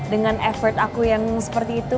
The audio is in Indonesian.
dengan effort aku yang seperti itu